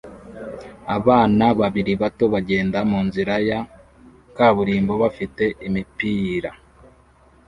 Abana babiri bato bagenda munzira ya kaburimbo bafite imipira